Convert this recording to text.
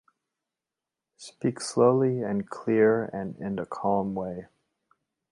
Speak slowly and clear and in a calm way.